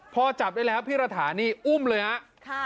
พอจับได้แล้วพี่ระถานี่อุ้มเลยครับ